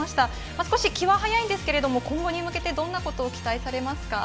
少し気は早いんですけれども、今後に向けて、どんなことを期待されますか？